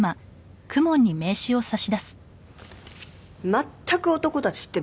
まったく男たちって